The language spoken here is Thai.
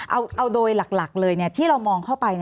เอาโดยหลักเลยที่เรามองเข้าไป